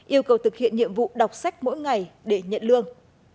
yêu cầu thực hiện nhiệm vụ đọc sách mỗi ngày để nhận lương